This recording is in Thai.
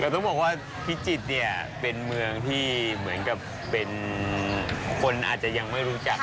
แต่ต้องบอกว่าพิจิตรเนี่ยเป็นเมืองที่เหมือนกับเป็นคนอาจจะยังไม่รู้จัก